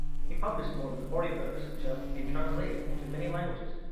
He published more than forty books which have been translated into many languages.